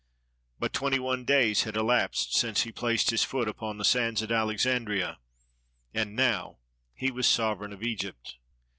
But twenty one days had elapsed since he placed his foot upon the sands at Alexandria, and now he was sovereign of Egypt.